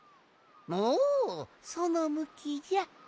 おそのむきじゃ。